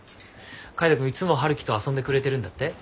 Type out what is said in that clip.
海斗君いつも春樹と遊んでくれてるんだって？